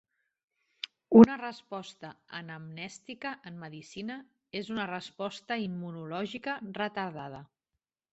Una resposta anamnèstica en medicina és una resposta immunològica retardada.